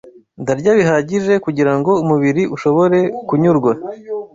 Ndarya bihagije kugira ngo umubiri ushobore kunyurwa